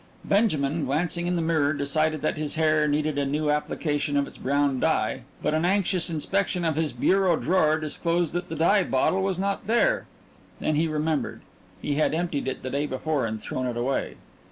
Benjamin, glancing in the mirror, decided that his hair needed a new application of its brown dye, but an anxious inspection of his bureau drawer disclosed that the dye bottle was not there. Then he remembered he had emptied it the day before and thrown it away.